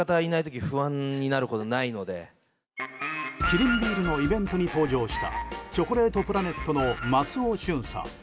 キリンビールのイベントに登場したチョコレートプラネットの松尾駿さん。